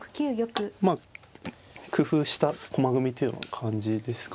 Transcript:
まあ工夫した駒組みというような感じですかね。